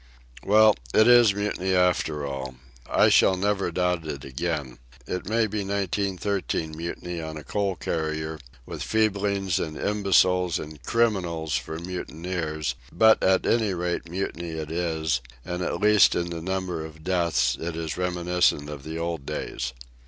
Well, it is mutiny after all. I shall never doubt it again. It may be nineteen thirteen mutiny on a coal carrier, with feeblings and imbeciles and criminals for mutineers; but at any rate mutiny it is, and at least in the number of deaths it is reminiscent of the old days.